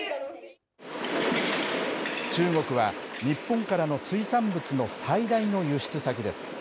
中国は日本からの水産物の最大の輸出先です。